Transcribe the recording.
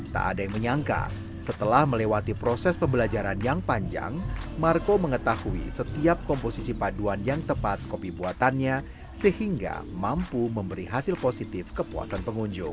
tak ada yang menyangka setelah melewati proses pembelajaran yang panjang marco mengetahui setiap komposisi paduan yang tepat kopi buatannya sehingga mampu memberi hasil positif kepuasan pengunjung